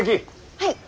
はい。